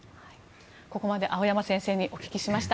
ここまで青山先生にお聞きしました。